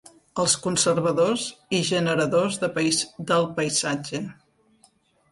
Els conservadors i generadors del paisatge.